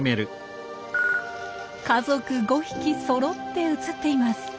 家族５匹そろって映っています。